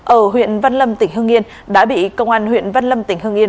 ở huyện văn lâm tỉnh hương yên đã bị công an huyện văn lâm tỉnh hương yên